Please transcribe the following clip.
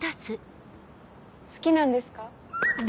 好きなんですか？